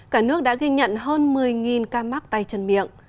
cả nước đã ghi nhận hơn một mươi ca mắc tay chân miệng